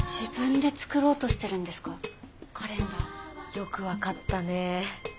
よく分かったね。